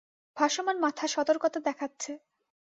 ভাসমান মাথা সতর্কতা দেখাচ্ছে।